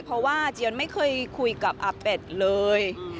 เพราะว่าเจียนไม่เคยคุยกับอาเป็ดเลย